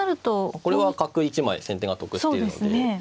これは角１枚先手が得しているので。